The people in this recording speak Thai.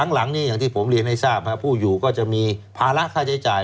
หลังนี้อย่างที่ผมเรียนให้ทราบผู้อยู่ก็จะมีภาระค่าใช้จ่าย